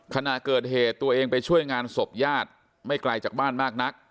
ขณะเกิดเหตุตัวเองไปช่วยงานศพญาติไม่ไกลจากบ้านมากนัก